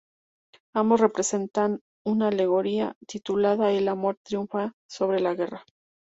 Ambos representan una alegoría titulada "El Amor triunfa sobre la Guerra".